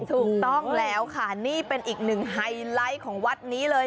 ถูกต้องแล้วค่ะนี่เป็นอีกหนึ่งไฮไลท์ของวัดนี้เลย